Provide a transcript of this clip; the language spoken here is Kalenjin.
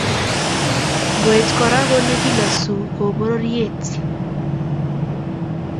Ngoet Kora konekilosu ko pororiet